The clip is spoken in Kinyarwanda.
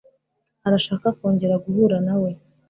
arashaka kongera guhura nawe